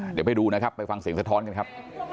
เดี๋ยวไปดูนะครับไปฟังเสียงสะท้อนกันครับ